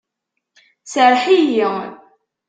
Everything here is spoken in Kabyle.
Serreḥ-iyi!